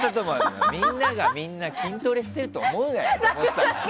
みんながみんな筋トレしていると思うなよって。